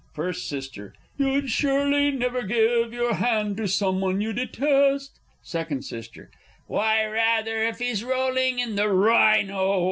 First S. You'd surely never give your hand to someone you detest? Second S. Why rather if he's rolling in the Rhino!